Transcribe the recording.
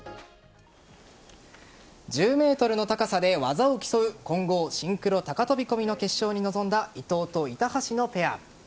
１０ｍの高さで技を競う混合シンクロ高飛込の決勝に臨んだ伊藤と板橋のペア。